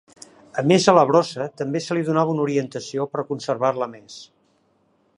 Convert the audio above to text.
A més a la brossa també se li donava una orientació per conservar-la més.